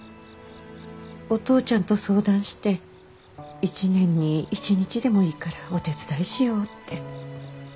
お父ちゃんと相談して一年に一日でもいいからお手伝いしようって。